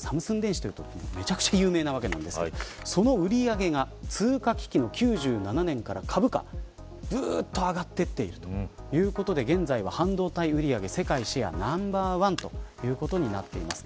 サムスン電子というと今やめちゃくちゃ有名ですがその売り上げが通貨危機の９７年から株価がずっと上がっていっているということで現在は、半導体売上世界シェアナンバーワンとなっています。